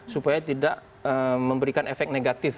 supaya tidak memberikan efek negatif